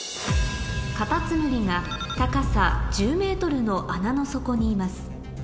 カタツムリが高さ１０ｍの穴の底にいます